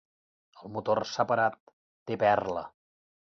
El motor s'ha parat; té perla.